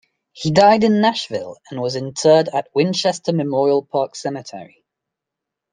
He died in Nashville and was interred at Winchester's Memorial Park Cemetery.